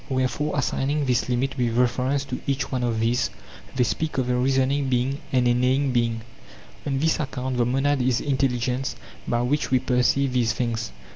Wherefore, assigning this limit with reference to each one of these, they speak of a reasoning being and a neighing being. On this account then the monad is intelligence by which we perceive these things.